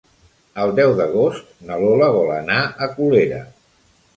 El deu d'agost na Lola vol anar a Colera.